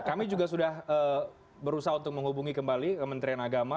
kami juga sudah berusaha untuk menghubungi kembali kementerian agama